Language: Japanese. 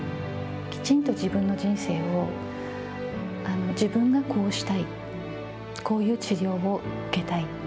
きちんと自分の人生を、自分がこうしたい、こういう治療を受けたい。